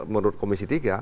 menurut komisi tiga